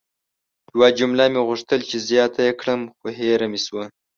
یوه جمله مې غوښتل چې زیاته ېې کړم خو هیره مې سوه!